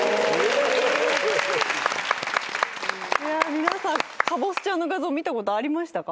皆さんかぼすちゃんの画像見たことありましたか？